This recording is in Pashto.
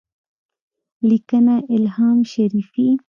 -لیکنه: الهام شریفي